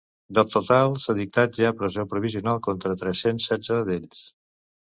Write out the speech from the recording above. Del total, s’ha dictat ja presó provisional contra tres-cents setze d’ells.